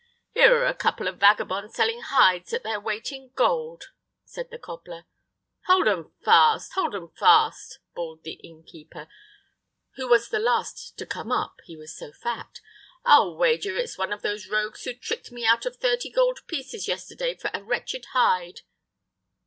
"Here are a couple of vagabonds selling hides at their weight in gold," said the cobbler. "Hold 'em fast; hold 'em fast!" bawled the innkeeper, who was the last to come up, he was so fat. "I'll wager it's one of the rogues who tricked me out of thirty gold pieces yesterday for a wretched hide."